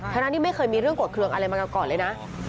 ทั้งที่ไม่เคยมีเรื่องโกรธเครื่องอะไรมาก่อนเลยนะ